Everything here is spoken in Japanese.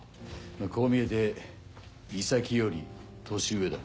こう見えて井崎より年上だ。